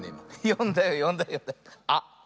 よんだよよんだよよんだよ。あっみて。